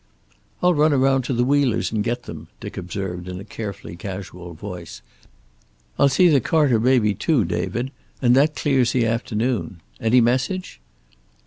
"I'll run around to the Wheelers' and get them," Dick observed, in a carefully casual voice. "I'll see the Carter baby, too, David, and that clears the afternoon. Any message?"